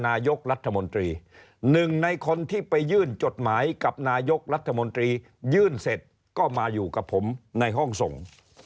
นายกรัฐมนตรีหนึ่งในคนที่ไปยื่นจดหมายกับนายกรัฐมนตรียื่นเสร็จก็มาอยู่กับผมในห้องส่ง